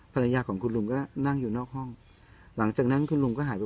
ภรรยาของคุณลุงก็นั่งอยู่นอกห้องหลังจากนั้นคุณลุงก็หายไป